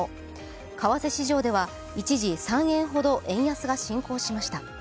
為替市場では一時、３円ほど円安が進行しました。